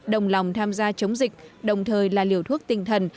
đồng lòng tham gia chống dịch đồng thời là liều thuốc tinh thần